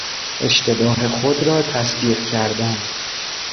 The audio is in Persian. اشتباه خود را تصدیق کردن